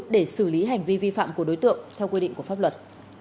để xử lý hành vi vi phạm của đối tượng theo quy định của pháp luật